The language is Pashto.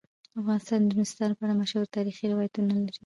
افغانستان د نورستان په اړه مشهور تاریخی روایتونه لري.